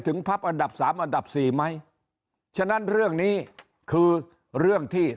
พักอันดับสามอันดับสี่ไหมฉะนั้นเรื่องนี้คือเรื่องที่